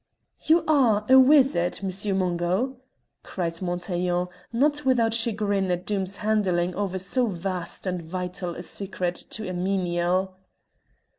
"You are a wizard, Monsieur Mungo!" cried Montaiglon, not without chagrin at Doom's handing over so vast and vital a secret to a menial.